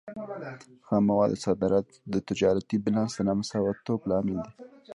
خام موادو صادرات د تجارتي بیلانس د نامساواتوب لامل دی.